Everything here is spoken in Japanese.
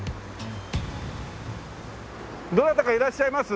どなたかいらっしゃいます？